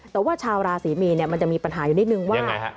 แต่ว่าชาวราศรีมีนมันจะมีปัญหาอยู่นิดนึงว่า